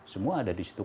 semua ada di situ